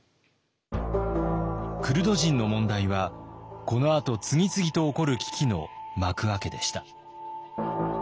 クルド人の問題はこのあと次々と起こる危機の幕開けでした。